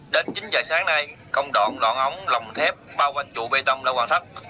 đến chính dài sáng nay công đoạn đoạn ống lòng thép bao quanh trụ bê tông đã hoàn thất